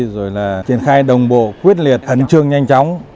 rồi là triển khai đồng bộ quyết liệt ấn trương nhanh chóng